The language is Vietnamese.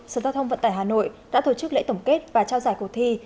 sở giao thông vận tải hà nội đã tổ chức lễ tổng kết và trao giải cuộc thi